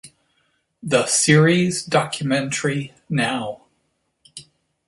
The series Documentary Now!